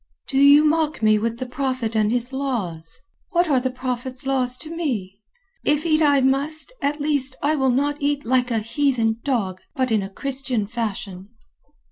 "Do you mock me with the Prophet and his laws? What are the Prophet's laws to me? If eat I must, at least I will not eat like a heathen dog, but in Christian fashion."